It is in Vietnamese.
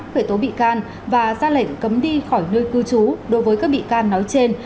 khởi tố bị can và ra lệnh cấm đi khỏi nơi cư trú đối với các bị can nói trên